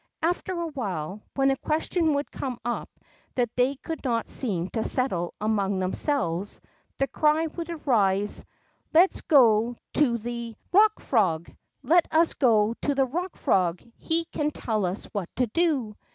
After awhile, when a question would come up that they could not seem to settle among them selves, the cry would arise : Let us go to the 18 THE ROCK FROG Eock Frog! Let us go to the Eock Frog, he can tell us what to do.